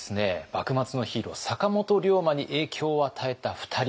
幕末のヒーロー坂本龍馬に影響を与えた２人。